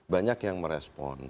banyak yang merespon